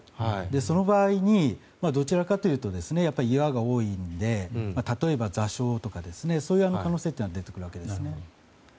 その場合にどちらかというと岩が多いので例えば座礁などの可能性が出てくるわけですね。